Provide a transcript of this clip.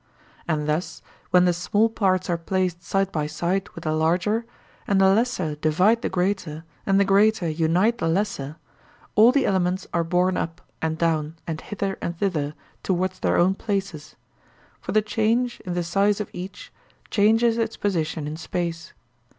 And thus, when the small parts are placed side by side with the larger, and the lesser divide the greater and the greater unite the lesser, all the elements are borne up and down and hither and thither towards their own places; for the change in the size of each changes its position in space.